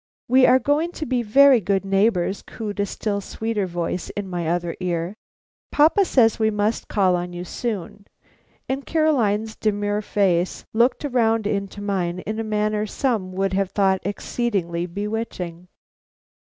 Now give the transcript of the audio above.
"We are going to be very good neighbors," cooed a still sweeter voice in my other ear. "Papa says we must call on you soon." And Caroline's demure face looked around into mine in a manner some would have thought exceedingly bewitching.